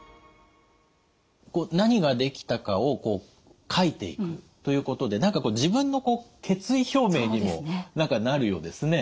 何ができたかをこう書いていくということで何か自分の決意表明にもなるようですね。